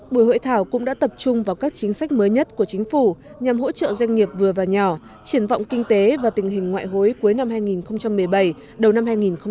buổi hội thảo cũng đã tập trung vào các chính sách mới nhất của chính phủ nhằm hỗ trợ doanh nghiệp vừa và nhỏ triển vọng kinh tế và tình hình ngoại hối cuối năm hai nghìn một mươi bảy đầu năm hai nghìn một mươi chín